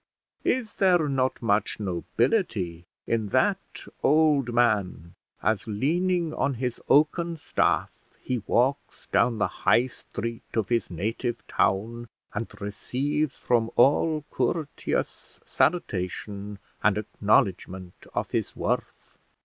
Is there not much nobility in that old man, as, leaning on his oaken staff, he walks down the High Street of his native town, and receives from all courteous salutation and acknowledgment of his worth?